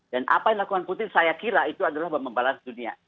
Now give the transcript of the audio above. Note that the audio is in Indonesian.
dan apa yang lakukan putin saya kira itu adalah membalas dunia